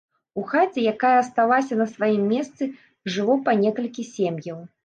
У хаце, якая асталася на сваім месцы, жыло па некалькі сем'яў.